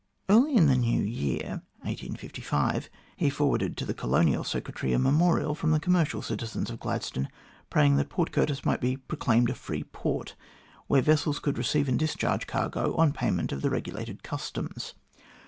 Early in the new year, 1855, he forwarded to the Colonial Secretary a memorial from the commercial citizens of Gladstone, praying that Port Curtis might be proclaimed a free port where vessels could receive and discharge cargo on payment of the regulated customs.